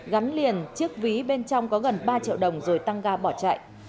gắn liền chiếc ví bên trong có gần ba triệu đồng rồi tăng ga bỏ chạy